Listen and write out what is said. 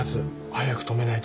早く止めないと。